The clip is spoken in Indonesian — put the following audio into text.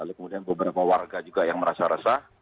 lalu kemudian beberapa warga juga yang merasa resah